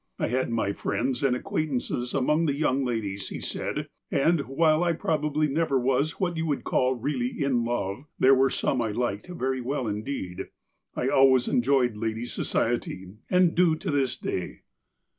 ''I had my friends and acquaintances among the young ladies," he said, "and, while I probably never was what you would call really 'in love,' there were some I liked very well indeed, I always enjoyed ladies' society, and do to this day.